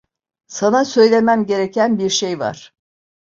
Sana söylemem gereken bir şey var.